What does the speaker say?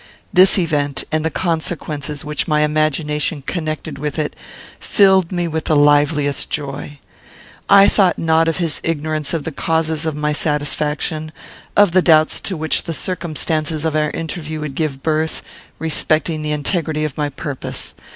This event, and the consequences which my imagination connected with it, filled me with the liveliest joy. I thought not of his ignorance of the causes of my satisfaction, of the doubts to which the circumstances of our interview would give birth, respecting the integrity of my purpose.